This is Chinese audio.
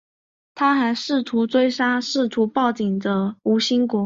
他还试图追杀试图报警的吴新国。